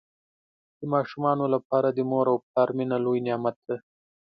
د ماشومانو لپاره د مور او پلار مینه لوی نعمت دی.